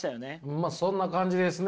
まあそんな感じですね